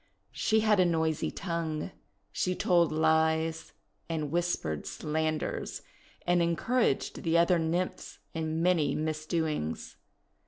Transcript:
She had a noisy tongue. She told lies and whispered slanders, and en couraged the other Nymphs in many misdoings.